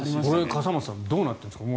笠松さんどうなってるんですか？